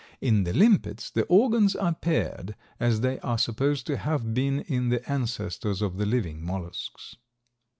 In the limpets the organs are paired, as they are supposed to have been in the ancestors of the living mollusks.